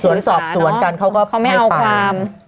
อศวริษสรรพ์เขาก็มันไป